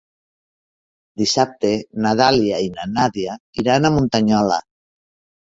Dissabte na Dàlia i na Nàdia iran a Muntanyola.